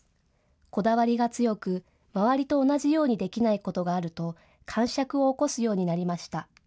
こだわりが強く周りと同じようにできないことがあるとかんしゃくを起こすようになりました。